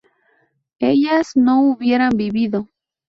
ellas no hubieran vivido